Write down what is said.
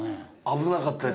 危なかった。